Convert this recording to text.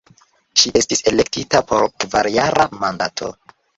Ŝi estis elektita por kvarjara mandato.